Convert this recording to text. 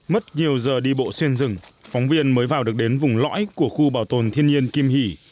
mất nhiều giờ đi bộ xuyên rừng phóng viên mới vào được đến vùng lõi của khu bảo tồn thiên nhiên kim hỷ